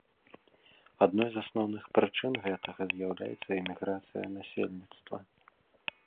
Адной з асноўных прычын гэтага з'яўляецца эміграцыя насельніцтва.